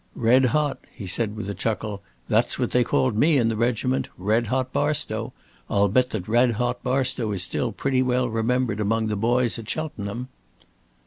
'Red hot,'" he said, with a chuckle. "That's what they called me in the regiment. Red hot Barstow. I'll bet that Red hot Barstow is still pretty well remembered among the boys at Cheltenham."